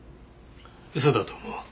嘘だと思う。